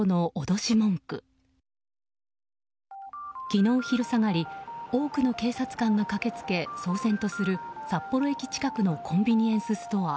昨日昼下がり多くの警察官が駆けつけ騒然とする、札幌駅近くのコンビニエンスストア。